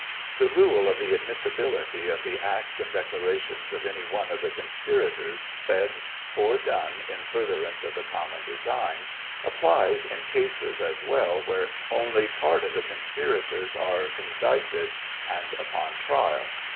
The rule of the admissibility of the acts and declarations of any one of the conspirators, said or done in furtherance of the common design, applies in cases as well where only part of the conspirators are indicted and upon trial.